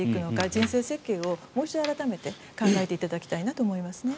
人生設計をもう一度改めて考えていただきたいと思います。